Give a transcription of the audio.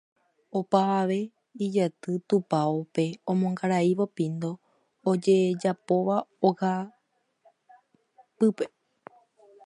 opavave ijaty tupãópe omongaraívo pindo ojejapóva ogapýpe